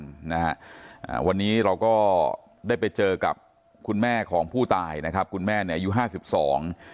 นะฮะอ่าวันนี้เราก็ได้ไปเจอกับคุณแม่ของผู้ตายนะครับคุณแม่เนี่ยอายุห้าสิบสอง